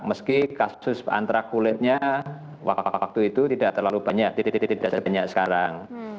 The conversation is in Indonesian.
meski kasus antrak kulitnya waktu itu tidak terlalu banyak tidak sebanyak sekarang